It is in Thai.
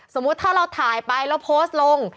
สมมุติถ้าเราถ่ายไปแล้วโพสต์ลง